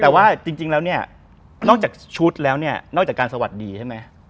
แต่ว่าจริงแล้วเนี่ยนอกจากชุดแล้วเนี่ยนอกจากการสวัสดีใช่ไหม